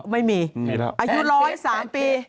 ไม่มีอายุ๑๐๓ปี